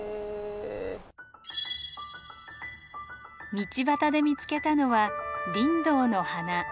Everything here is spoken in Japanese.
道端で見つけたのはリンドウの花。